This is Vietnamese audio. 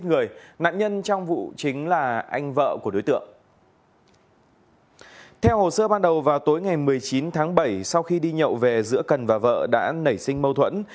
theo hồ sơ ban đầu vào tối ngày một mươi chín tháng bảy sau khi đi nhậu về giữa cần và vợ đã nảy sinh mâu thuẫn